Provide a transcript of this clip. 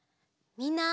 みんな。